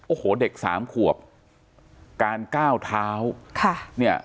โอ้โหเด็กสามขวบการก้าวเท้าค่ะเนี่ย